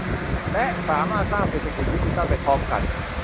และสามารถสร้างเศรษฐกิจดิจิทัลไปพร้อมกัน